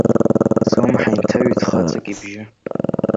Слымҳа инҭаҩит хаҵак ибжьы.